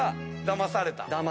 だまされた。